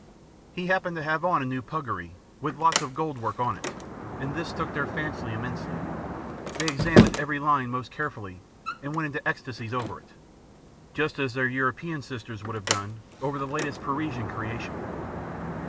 He happened to have on a new puggaree, with lots of gold work on it, and this took their fancy immensely; they examined every line most carefully and went into ecstasies over it just as their European sisters would have done over the latest Parisian creation.